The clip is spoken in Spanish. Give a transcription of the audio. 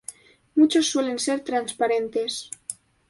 Muchos suelen ser transparentes.